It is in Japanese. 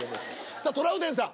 さぁトラウデンさん